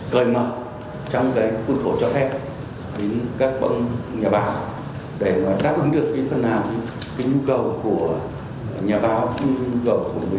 cởi mở trong cái quân khổ cho hết đến các bậc nhà bạc